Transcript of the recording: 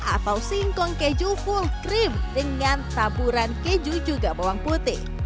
atau singkong keju full cream dengan taburan keju juga bawang putih